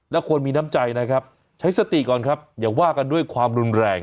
แล้วควรมีน้ำใจนะครับใช้สติก่อนครับอย่าว่ากันด้วยความรุนแรง